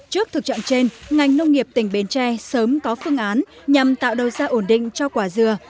trước thực trạng trên ngành nông nghiệp tỉnh bến tre sớm có phương án nhằm tạo đầu ra ổn định cho quả dừa